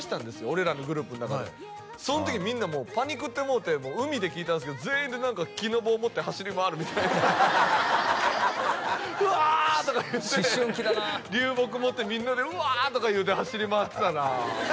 俺らのグループの中でその時みんなもうパニクってもうて海で聞いたんですけど全員で何か木の棒持って走り回るみたいなうわ！とか言って思春期だなあ流木持ってみんなでうわ！とか言うて走り回ってたなあ